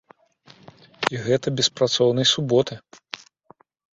І гэта без працоўнай суботы.